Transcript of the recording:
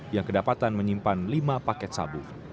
yang kedapatan menyimpan lima paket sabu